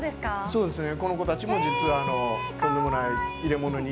そうですね。